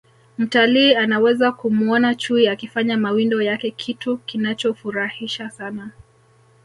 mtalii anaweza kumuona chui akifanya mawindo yake kitu kinachofurahisha sana